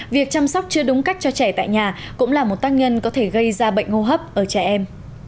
việc chăm sóc chưa đúng cách cho trẻ tại nhà cũng là một tác nhân có thể gây ra bệnh hô hấp ở trẻ em